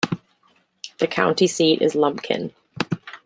The county seat is Lumpkin.